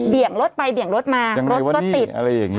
เบี่ยงรถไปเบี่ยงรถมารถก็ติดยังไงวะนี่อะไรอย่างนี้